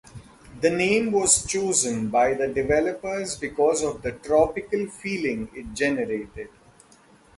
The name was chosen by the developers because of the tropical feeling it generated.